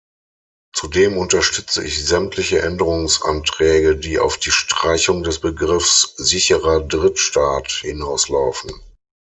Zudem unterstütze ich sämtliche Änderungsanträge, die auf die Streichung des Begriffs „sicherer Drittstaat“ hinauslaufen.